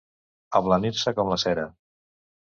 Ablanir-se com la cera.